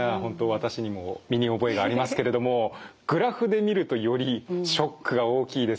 私にも身に覚えがありますけれどもグラフで見るとよりショックが大きいですね。